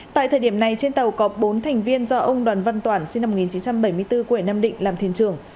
tại thời điểm này trên tàu có bốn thành viên do ông đoàn văn toản sinh năm một nghìn chín trăm bảy mươi bốn của hải nam định làm thiên trường